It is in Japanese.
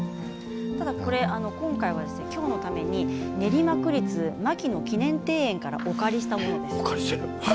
今回は今日のために練馬区立牧野記念庭園からお借りしてきたものです。